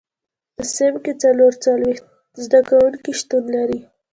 په صنف کې څلور څلوېښت زده کوونکي شتون لري.